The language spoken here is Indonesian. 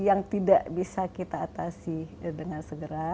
yang tidak bisa kita atasi dengan segera